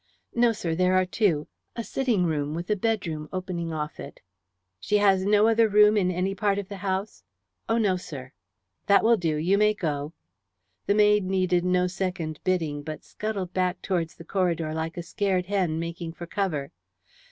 "No, sir, there are two. A sitting room, with a bedroom opening off it." "She has no other room in any other part of the house?" "Oh, no, sir." "That will do. You may go." The maid needed no second bidding, but scuttled back towards the corridor like a scared hen making for cover.